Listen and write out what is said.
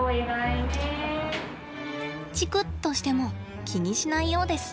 チクッとしても気にしないようです。